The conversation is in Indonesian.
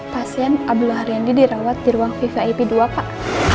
pasien abdullah rendi dirawat di ruang vvip dua pak